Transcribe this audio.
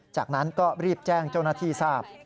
จากนั้นก็รีบแจ้งเจ้าหน้าที่ทราบ